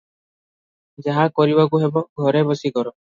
ଯାହା କରିବାକୁ ହେବ, ଘରେ ବସି କର ।